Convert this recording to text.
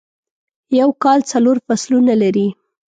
یو کال څلور فصلونه لري.